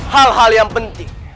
hal hal yang penting